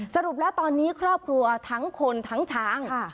สรุปแล้วตอนนี้ครอบครัวทั้งคนทั้งช้าง